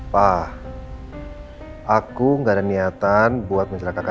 pak aku gak ada niatan buat mencelakakan